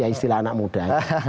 istilah anak muda